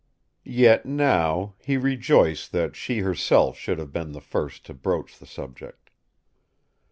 Yet, now, he rejoiced that she herself should have been the first to broach the subject.